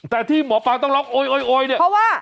แต่ที่หมอปลาต้องร้องโอ๊ยโอยเนี่ยเพราะว่า